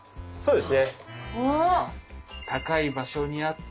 そうですね。